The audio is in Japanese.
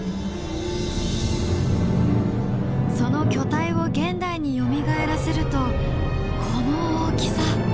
その巨体を現代によみがえらせるとこの大きさ！